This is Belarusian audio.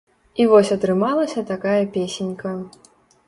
І вось атрымалася такая песенька.